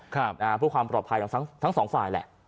ครับนะฮะเพื่อความปลอดภัยของทั้งสองฝ่ายแหละ